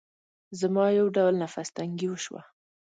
زما يو ډول نفس تنګي وشوه.